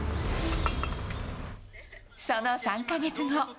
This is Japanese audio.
その３か月後。